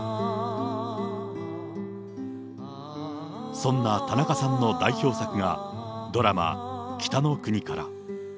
そんな田中さんの代表作が、ドラマ、北の国から。